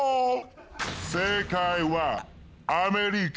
正解はアメリカ。